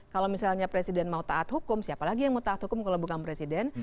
kalau misalnya presiden mau taat hukum siapa lagi yang mau taat hukum kalau bukan presiden